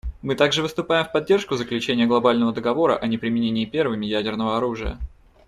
Мы также выступаем в поддержку заключения глобального договора о неприменении первыми ядерного оружия.